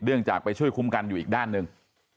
จากไปช่วยคุ้มกันอยู่อีกด้านหนึ่ง